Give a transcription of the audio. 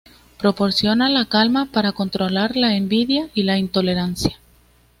Proporciona la calma para controlar la envidia y la intolerancia.